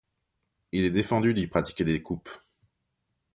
Il est défendu d'y pratiquer des coupes.